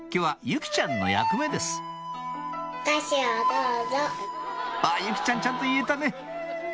由季ちゃんちゃんと言えたね！